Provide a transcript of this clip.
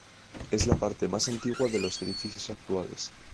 Es la parte más antigua de los edificios actuales.